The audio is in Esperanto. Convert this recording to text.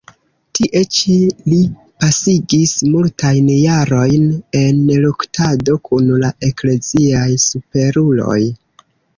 Tie ĉi li pasigis multajn jarojn en luktado kun la ekleziaj superuloj.